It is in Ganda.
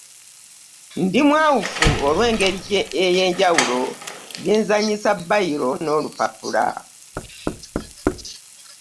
Ndimwawuffu olwengeri eyenjawulo gyenzanyisa bayiro n'olupapupla .